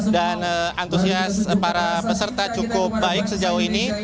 dan antusias para peserta cukup baik sejauh ini